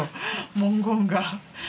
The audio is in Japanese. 文言が。